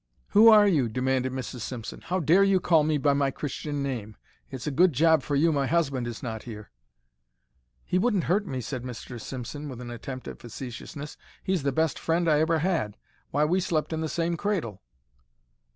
"Who are you?" demanded Mrs. Simpson. "How dare you call me by my Christian name. It's a good job for you my husband is not here." "He wouldn't hurt me," said Mr. Simpson, with an attempt at facetiousness. "He's the best friend I ever had. Why, we slept in the same cradle."